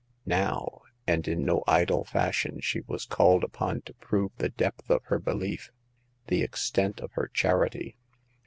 Now — and in no idle fashion — she was called upon to prove the depth of her belief — the extent of her charity.